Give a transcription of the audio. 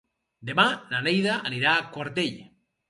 Demà na Neida anirà a Quartell.